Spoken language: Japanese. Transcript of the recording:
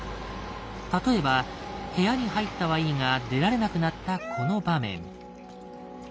例えば部屋に入ったはいいが出られなくなったこの場面。